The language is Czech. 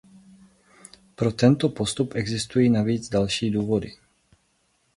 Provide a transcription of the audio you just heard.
Pro tento postup existují navíc další důvody.